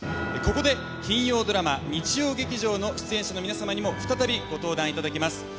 ここで金曜ドラマ日曜劇場の出演者の皆さまにも再びご登壇いただきます